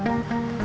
iya mari pak idoy